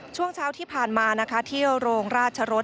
ช่วงเช้าที่ผ่านมานะคะเที่ยวโรงราชรส